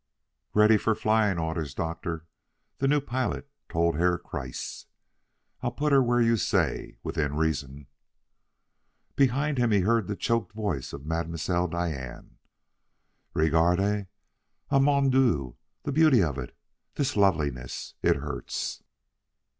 "Ready for flying orders, Doctor," the new pilot told Herr Kreiss. "I'll put her where you say within reason." Behind him he heard the choked voice of Mademoiselle Diane: "Regardez! Ah, mon Dieu, the beauty of it! This loveliness it hurts!"